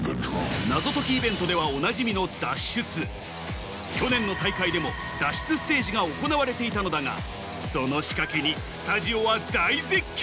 謎解きイベントではおなじみの「脱出」去年の大会でも脱出ステージが行われていたのだがその仕掛けにスタジオは大絶叫！